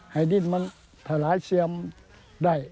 ให้ดินถาลายเชียมได้